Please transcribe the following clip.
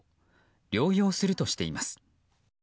療養するとしています。